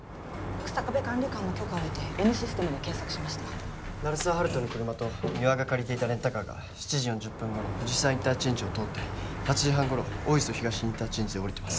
日下部管理官の許可を得てＮシステムで検索しました鳴沢温人の車と三輪が借りていたレンタカーが７時４０分頃藤沢インターチェンジを通って８時半頃大磯東インターチェンジで降りてます